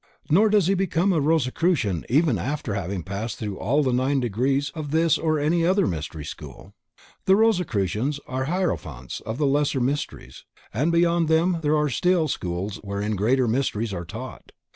Nor does he become a Rosicrucian even after having passed through all the nine degrees of this or any other Mystery School. The Rosicrucians are Hierophants of the lesser Mysteries, and beyond them there are still schools wherein Greater Mysteries are taught.